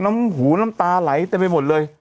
น้ำหูน้ำตาไหลเต็มไปหมดเลย